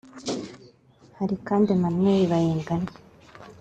Hari kandi Emmanuel Bayingana